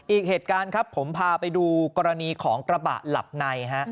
อีกเหตุการณ์ครับผมพาไปดูกรณีของกระบะหลับในฮะ